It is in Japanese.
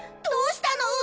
どうしたの？